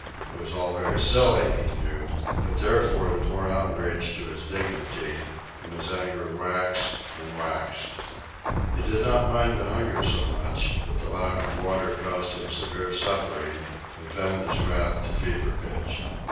It was all very silly, he knew; but therefore the more outrage to his dignity, and his anger waxed and waxed. He did not mind the hunger so much, but the lack of water caused him severe suffering and fanned his wrath to fever pitch.